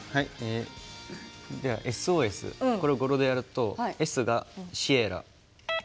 では、ＳＯＳこれを語呂でやるとＳがシエラ。